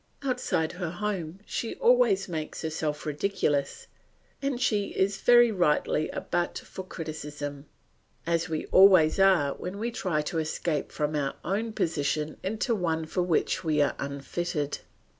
Outside her home she always makes herself ridiculous and she is very rightly a butt for criticism, as we always are when we try to escape from our own position into one for which we are unfitted.